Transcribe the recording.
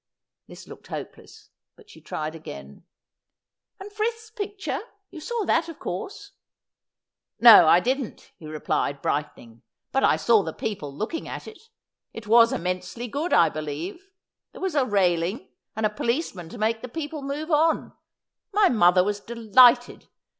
This looked hopeless, but she tried again. ' And Frith's picture ; you saw that of course.' ' No, I didn't,' he replied, brightening ;' but I saw the people looking at it. It was immensely good, I believe. There was a railing, and a policeman to make the people move on. My mother was delighted.